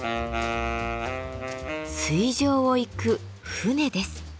水上を行く「船」です。